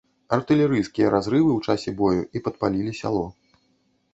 Артылерыйскія разрывы ў часе бою і падпалілі сяло.